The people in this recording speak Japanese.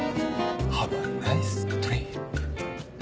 ハブアナイストリップ。